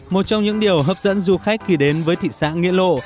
một trong những điều hấp dẫn du khách khi đến với thị xã nghĩa lộ